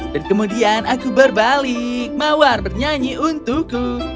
dan kemudian aku berbalik mawar bernyanyi untukku